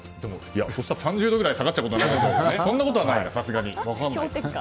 そうしたら３０ぐらい下がっちゃうことになるからそんなことはないか、さすがに。